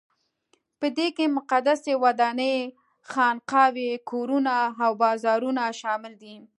په دې کې مقدسې ودانۍ، خانقاوې، کورونه او بازارونه شامل دي.